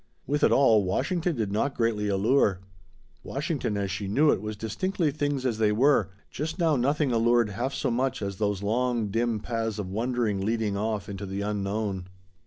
With it all, Washington did not greatly allure. Washington, as she knew it, was distinctly things as they were; just now nothing allured half so much as those long dim paths of wondering leading off into the unknown.